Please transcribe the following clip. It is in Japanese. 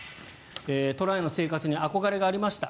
都内の生活に憧れがありました。